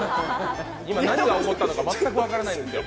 今、何が起こったのか全く分からないんですよ。